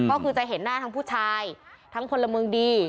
ก็คือจะเห็นหน้าทั้งผู้ชายทั้งพลเมืองดี